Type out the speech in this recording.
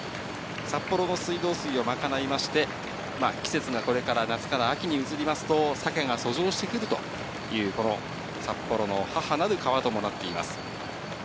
札幌の水道水を賄いまして、季節がこれから夏から秋に移りますと、サケが遡上してくるという、この札幌の母なる川ともなっています。